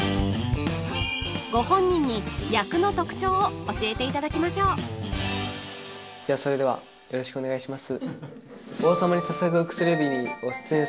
ご本人に役の特徴を教えていただきましょうはいよろしくお願いします